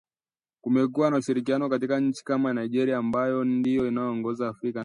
Kumekuwa na ushirikiano kutoka nchi kama Nigeria amabayo ndio inaongoza Africa na